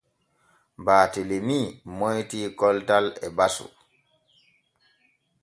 Baatelemi moytii koltal e basu.